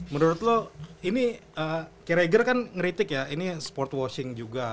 menurut lo ini kirager kan ngeritik ya ini sport washing juga